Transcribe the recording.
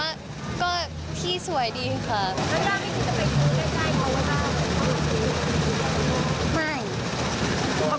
นางโยจะไปซึ้งได้ไหมคะ